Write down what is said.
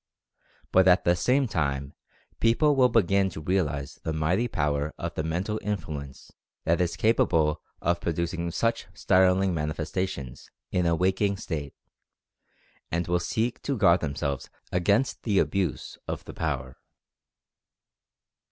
But at the same time people will begin to realize the mighty power of the Mental Influence that is capable of producing such startling manifestations in a waking state, and will seek to guard themselves against the abuse of the power.